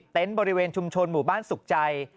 บริเวณชุมชนหมู่บ้านสุขใจ